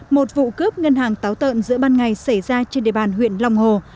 một vụ cướp ngân hàng táo tợn giữa ban ngày xảy ra trên địa bàn huyện long hồ